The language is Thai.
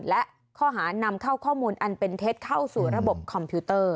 และข้อหานำเข้าข้อมูลอันเป็นเท็จเข้าสู่ระบบคอมพิวเตอร์